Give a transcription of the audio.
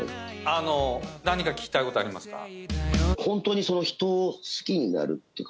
何か聞きたいことありますか？